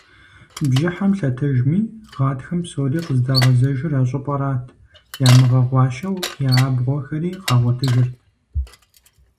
Бжьыхьэм лъэтэжми, гъатхэм псори къыздагъэзэжыр а щӏыпӏэрат, ямыгъэгъуащэу я абгъуэхэри къагъуэтыжырт.